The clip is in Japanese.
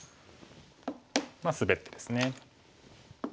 まあスベってですね。